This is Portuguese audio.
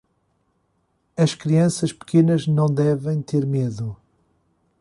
As crianças pequenas não devem ter medo.